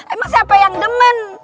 emang siapa yang demen